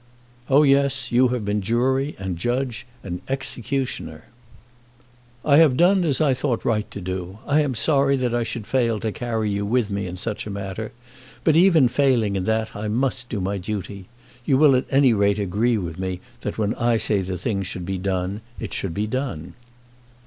"Oh yes, you have been jury, and judge, and executioner." "I have done as I thought right to do. I am sorry that I should fail to carry you with me in such a matter, but even failing in that I must do my duty. You will at any rate agree with me that when I say the thing should be done, it should be done."